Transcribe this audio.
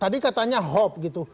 tadi katanya hope gitu